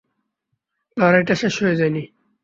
লড়াইটা শেষ হয়ে যায়নি!